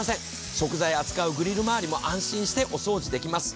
食材を扱うグリル回りも安心してお掃除できます。